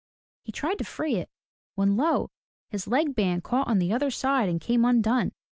He tried to free it, when lo! his leg band caught on the other side and came undone.